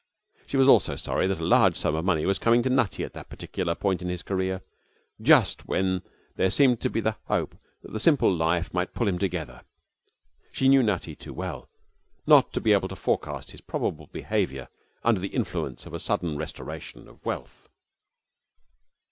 She was also sorry that a large sum of money was coming to Nutty at that particular point in his career, just when there seemed the hope that the simple life might pull him together. She knew Nutty too well not to be able to forecast his probable behaviour under the influence of a sudden restoration of wealth.